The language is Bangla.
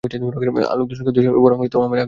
আলোদূষণকে দুষে লাভ নেই, বরং আমারই আগ্রহ ছিল না কখনো।